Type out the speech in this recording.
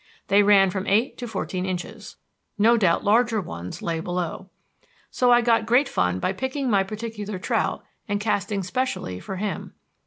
They ran from eight to fourteen inches. No doubt larger ones lay below. So I got great fun by picking my particular trout and casting specially for him.